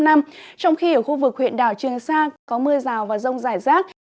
trong khi ở khu vực huyện đảo trường sa có mưa rào và rông rải rác